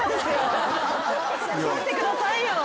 取ってくださいよ。